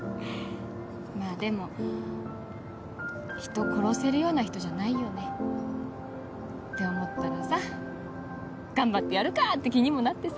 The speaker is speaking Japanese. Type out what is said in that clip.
まぁでも人殺せるような人じゃないよね。って思ったらさ頑張ってやるかぁって気にもなってさ。